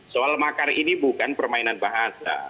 soal makar ini bukan permainan bahasa